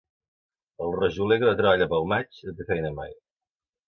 El rajoler que no treballa pel maig no té feina mai.